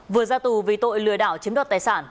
vừa ra tù vì tội lừa đảo chiếm đoạt tài sản